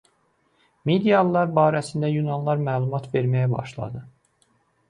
Midiyalılar barəsində yunanlar məlumat verməyə başladı.